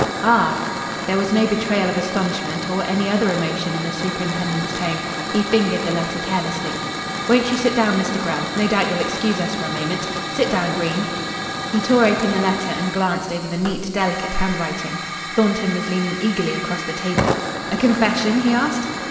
"Ah!" There was no betrayal of astonishment or any other emotion in the superintendent's tone. He fingered the letter carelessly. "Won't you sit down, Mr. Grell? No doubt you'll excuse us for a moment. Sit down, Green." He tore open the letter and glanced over the neat, delicate handwriting. Thornton was leaning eagerly across the table. "A confession?" he asked.